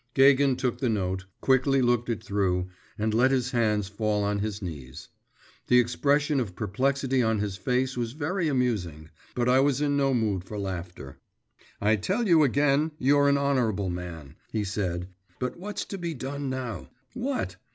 Gagin took the note, quickly looked it through, and let his hands fall on his knees. The expression of perplexity on his face was very amusing, but I was in no mood for laughter. 'I tell you again, you're an honourable man,' he said; 'but what's to be done now? What?